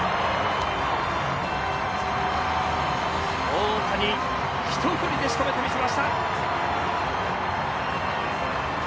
大谷一振りでしとめてみせました。